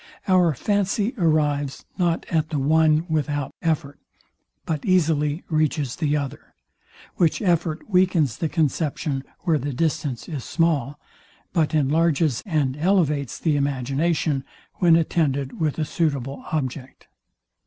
Our fancy arrives not at the one without effort, but easily reaches the other: Which effort weakens the conception, where the distance is small; but enlarges and elevates the imagination, when attended with a suitable object.